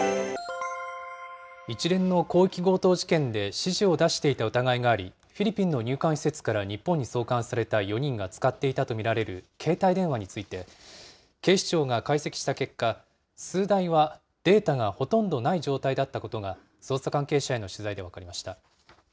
一連の広域強盗事件で指示を出していた疑いがあり、フィリピンの入管施設から日本に送還された４人が使っていたと見られる携帯電話について、警視庁が解析した結果、数台はデータがほとんどない状態だったことが捜査関係者への取材